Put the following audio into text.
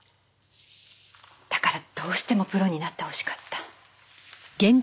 だからどうしてもプロになってほしかった。